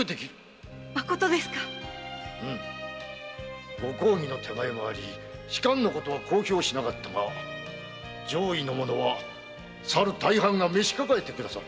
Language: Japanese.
まことですかご公儀の手前もあり仕官のことは公表しなかったが上位の者はさる大藩が召し抱えてくださる。